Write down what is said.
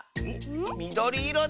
みどりいろだ！